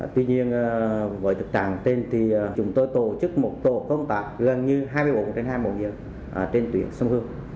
tuy nhiên với thực trạng tên thì chúng tôi tổ chức một tổ công tác gần như hai mươi bốn trên hai mươi một nhiệm trên tuyển sông hương